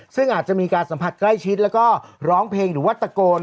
ซึ่งอาจจะมีการสัมผัสใกล้ชิดแล้วก็ร้องเพลงหรือว่าตะโกน